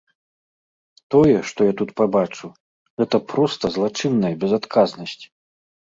Тое, што я тут пабачыў, гэта проста злачынная безадказнасць.